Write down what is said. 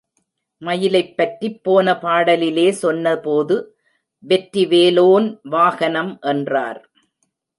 மயிலைப் பற்றிப் போன பாடலிலே சொன்னபோது வெற்றி வேலோன் வாகனம் என்றார்.